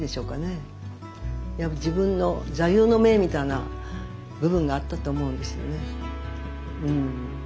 自分の座右の銘みたいな部分があったと思うんですよね。